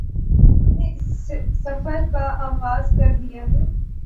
ہم نے اس سفر کا آغاز کردیا ہے